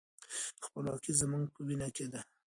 خپلواکي زموږ په وینه کې ده.